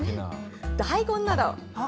大根など。